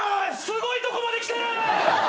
すごいとこまできてる！